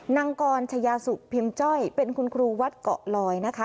นางกรชายาสุกพิมพ์จ้อยเป็นคุณครูวัดเกาะลอยนะคะ